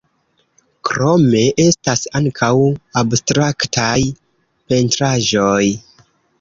Krome, estas ankaŭ abstraktaj pentraĵoj.